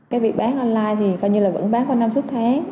cái việc bán online thì coi như là vẫn bán qua năm suốt tháng